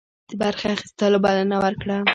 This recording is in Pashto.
د برخي اخیستلو بلنه ورکړه.